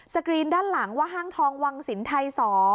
กรีนด้านหลังว่าห้างทองวังสินไทย๒